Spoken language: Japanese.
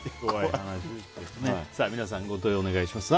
皆さんご投稿お願いします。